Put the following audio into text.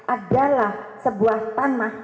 adalah sebuah tanah